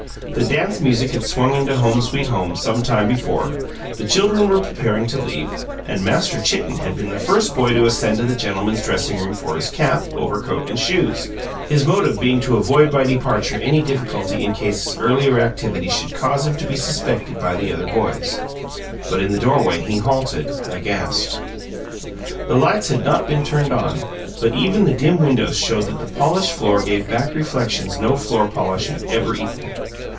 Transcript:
The dance music had swung into "Home Sweet Home" some time before, the children were preparing to leave, and Master Chitten had been the first boy to ascend to the gentlemen's dressing room for his cap, overcoat and shoes, his motive being to avoid by departure any difficulty in case his earlier activities should cause him to be suspected by the other boys. But in the doorway he halted, aghast. The lights had not been turned on; but even the dim windows showed that the polished floor gave back reflections no floor polish had ever equalled.